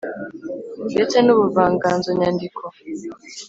ndetse n’ubuvanganzo nyandiko.